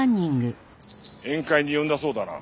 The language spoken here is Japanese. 宴会に呼んだそうだな。